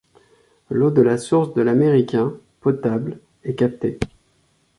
L'eau de la source de l’Américain, potable, est captée.